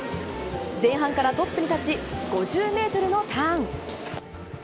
前半からトップに立ち、５０メートルのターン。